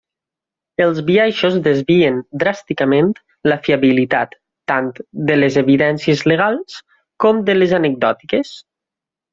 Els biaixos desvien dràsticament la fiabilitat tant de les evidències legals com de les anecdòtiques.